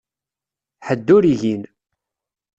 Ḥedd ur igin.